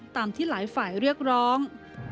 ตามที่หลายฝ่ายเรียกร้อง